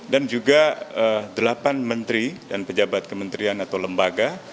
dan juga delapan menteri dan pejabat kementerian atau lembaga